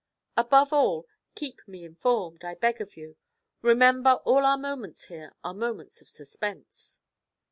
Above all keep me informed, I beg of you. Remember all our moments here are moments of suspense.'